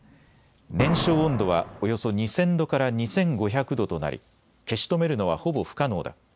燃焼温度はおよそ２０００度から２５００度となり消し止めるのはほぼ不可能だ。